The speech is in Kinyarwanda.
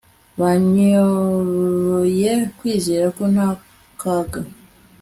Banyoboye kwizera ko nta kaga